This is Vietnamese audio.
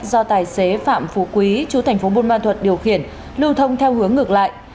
do tài xế phạm phú quý chú thành phố buôn ma thuật điều khiển lưu thông theo hướng ngược lại